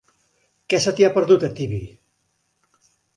Què se t'hi ha perdut, a Tibi?